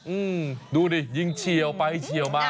อืมดูดิยิงเฉียวไปเฉียวมา